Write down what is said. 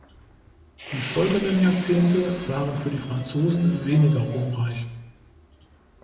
Die folgenden Jahrzehnte waren für die Franzosen weniger ruhmreich.